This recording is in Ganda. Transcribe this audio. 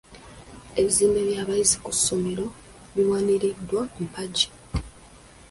Ebizimbe by'abayizi ku ssomero biwaniriddwa mpagi.